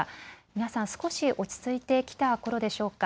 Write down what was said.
皆さん、少し落ち着いてきたころでしょうか。